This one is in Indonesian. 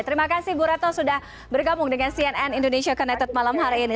terima kasih bu retno sudah bergabung dengan cnn indonesia connected malam hari ini